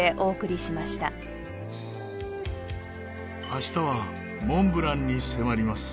明日はモンブランに迫ります。